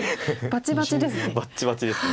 バッチバチです。